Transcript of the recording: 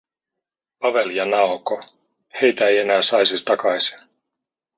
Pavel ja Naoko… Heitä ei enää saisi takaisin.